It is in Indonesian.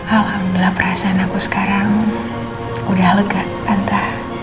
alhamdulillah perasaan aku sekarang udah lega pantas